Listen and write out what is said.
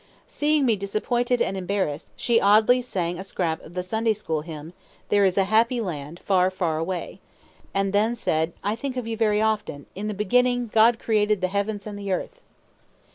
Seeing me disappointed and embarrassed, she oddly sang a scrap of the Sunday school hymn, "There is a Happy Land, far, far away"; and then said, "I think of you very often. In the beginning, God created the heavens and the earth."